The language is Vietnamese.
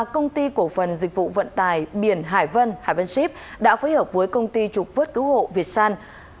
công ty cổ phần dịch vụ vận tài biển hải vân hải ship đã phối hợp với công ty trục vớt cứu hộ việt san